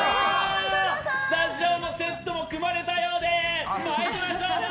スタジオのセットも組まれたようで、参りましょう笑